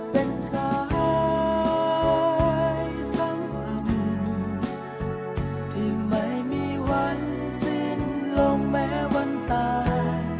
เป็นชายสองวันที่ไม่มีวันสิ้นลงแม้วันตาย